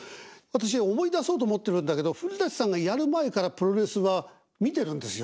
私思い出そうと思ってるんだけど古さんがやる前からプロレスは見てるんですよ。